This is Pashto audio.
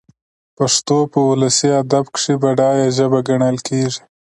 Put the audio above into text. پښتو په اولسي ادب کښي بډايه ژبه ګڼل سوې.